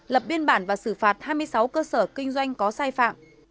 lập biên bản và xử phạt hai mươi sáu cơ sở kinh doanh có sai phạm